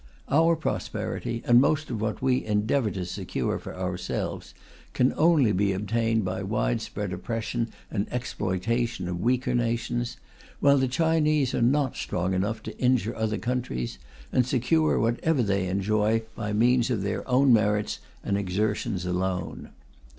Our prosperity, and most of what we endeavour to secure for ourselves, can only be obtained by widespread oppression and exploitation of weaker nations, while the Chinese are not strong enough to injure other countries, and secure whatever they enjoy by means of their own merits and exertions alone.